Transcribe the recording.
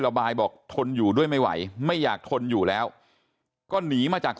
ระบายบอกทนอยู่ด้วยไม่ไหวไม่อยากทนอยู่แล้วก็หนีมาจาก